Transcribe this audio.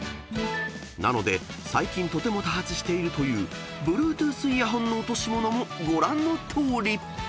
［なので最近とても多発しているというＢｌｕｅｔｏｏｔｈイヤホンの落とし物もご覧のとおり］